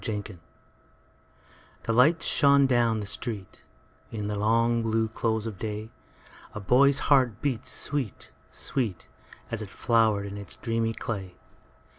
Awakening THE LIGHTS shone down the streetIn the long blue close of day:A boy's heart beat sweet, sweet, As it flowered in its dreamy clay.